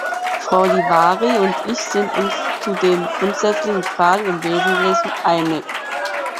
Frau Iivari und ich sind uns zu den grundsätzlichen Fragen im Wesentlichen einig.